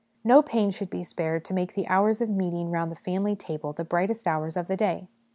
No pains should be spared to make the hours of meeting round the family table the brightest hours of the day.